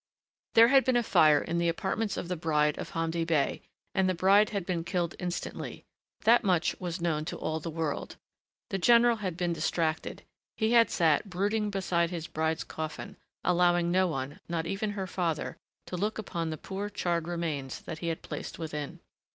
There had been a fire in the apartments of the bride of Hamdi Bey and the bride had been killed instantly that much was known to all the world. The general had been distracted. He had sat brooding beside his bride's coffin, allowing no one, not even her father, to look upon the poor charred remains that he had placed within.